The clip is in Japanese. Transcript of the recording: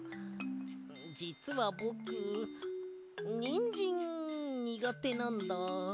じつはぼくニンジンにがてなんだ。